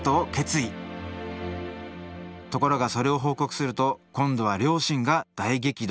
ところがそれを報告すると今度は両親が大激怒。